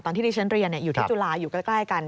ที่ดิฉันเรียนอยู่ที่จุฬาอยู่ใกล้กัน